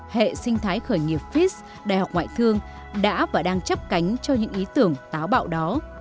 hệ sinh thái khởi nghiệp fizz đại học ngoại thương đã và đang chấp cánh cho những ý tưởng táo bạo đó